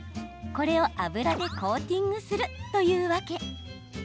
これを油でコーティングするというわけ。